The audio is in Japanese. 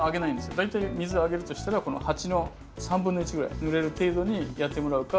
大体水あげるとしたらこの鉢の３分の１ぐらいぬれる程度にやってもらうか。